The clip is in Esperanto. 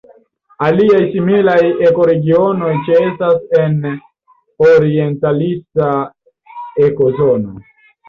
Aliaj similaj ekoregionoj ĉeestas en la orientalisa ekozono.